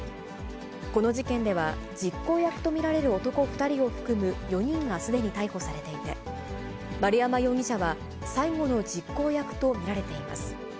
この事件では、実行役と見られる男２人を含む４人がすでに逮捕されていて、丸山容疑者は最後の実行役と見られています。